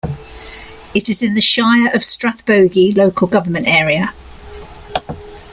It is in the Shire of Strathbogie local government area.